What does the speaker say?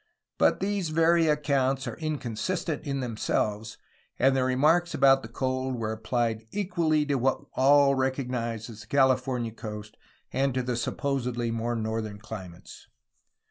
But these very accounts are inconsistent in them selves, and the remarks about the cold were applied equally to what all recognize as the California coast and to the supposedly more northern climes.